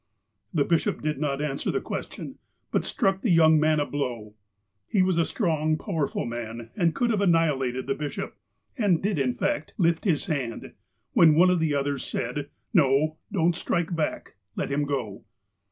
The bishop did not answer the question, but struck the young man a blow. He was a strong, powerful man, and could have annihilated the bishop, and did, in fact, lift his hand, when one of the others said :'' No, don't strike back. Let him go."